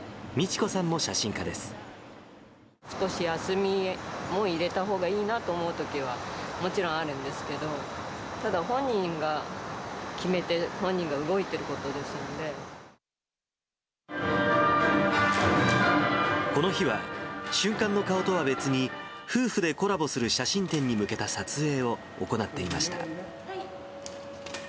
少し休みも入れたほうがいいなと思うときはもちろんあるんですけど、ただ、本人が決めて、この日は、瞬間の顔とは別に、夫婦でコラボする写真展に向けた撮影を行っていました。